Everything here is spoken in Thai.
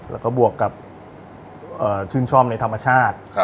แล้วก็บวกกับชื่นชอบในธรรมชาติ